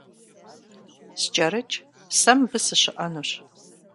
СкӀэрыкӀ, сэ мыбы сыщыӀэнущ!